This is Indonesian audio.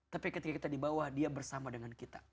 tapi ketika kita di bawah dia bersama dengan kita